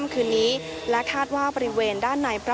พาคุณผู้ชมไปติดตามบรรยากาศกันที่วัดอรุณราชวรรมหาวิหารค่ะ